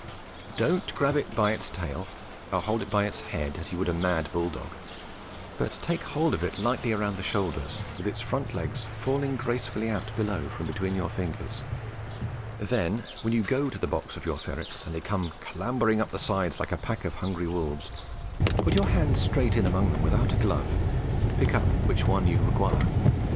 Don't grab it by its tail, or hold it by its head as you would a mad bull dog; but take hold of it lightly round the shoulders, with its front legs falling gracefully out below from between your fingers. Then when you go to the box for your ferrets, and they come clambering up the side like a pack of hungry wolves, put your hand straight in among them without a glove, and pick up which one you require.